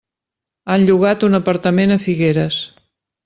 Han llogat un apartament a Figueres.